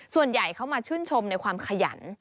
ส่วนใหญ่เขามาชื่นชมในความขยัน